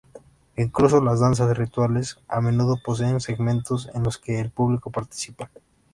Incluso las danzas rituales a menudo poseen segmentos en los que el público participa.